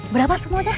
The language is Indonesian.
berapa semua dah